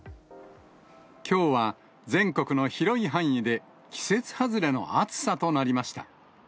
きょうは全国の広い範囲で、季節外れの暑さとなりました。